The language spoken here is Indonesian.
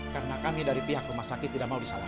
karena kami dari pihak rumah sakit tidak mau disalahkan